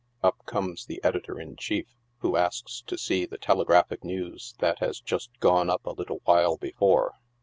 Up comes the editor in chief, who asks to see the telegraphic news that has just gone up a little while before.